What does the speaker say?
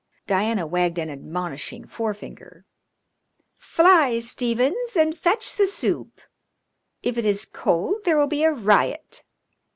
Diana wagged an admonishing forefinger. "Fly, Stephens, and fetch the soup! If it is cold there will be a riot."